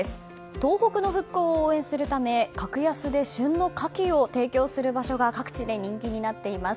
東北の復興を応援するため格安で旬のカキを提供する場所が各地で人気になっています。